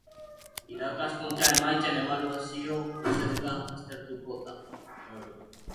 Irakaskuntza emaitzen ebaluazio prozedura aztertuko da.